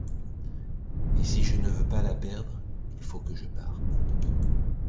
Et si je ne veux pas la perdre, il faut que je parte.